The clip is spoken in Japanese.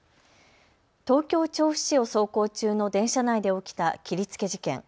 東京調布市を走行中の電車内で起きた切りつけ事件。